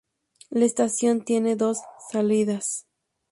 La estación tiene dos salidas.